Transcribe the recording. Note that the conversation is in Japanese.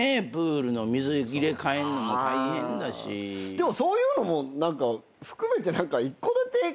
でもそういうのも含めて。